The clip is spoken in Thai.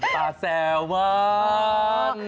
ปลาแซลมอน